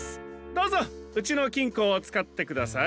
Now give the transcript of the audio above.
どうぞうちのきんこをつかってください。